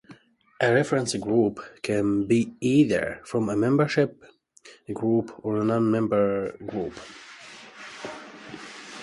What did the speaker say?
A reference group can be either from a membership group or non-membership group.